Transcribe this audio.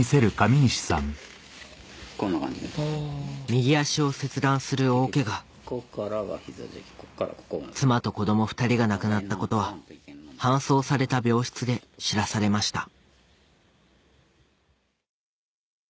右脚を切断する大ケガ妻と子供２人が亡くなったことは搬送された病室で知らされました